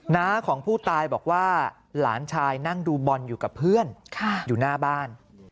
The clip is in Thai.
น้าของผู้ตายบอกว่าหลานชายนั่งดูบอลอยู่กับเพื่อนอยู่หน้าบ้าน